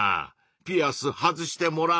ピアス外してもらう？